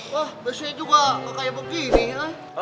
wah biasanya juga kayak begini ya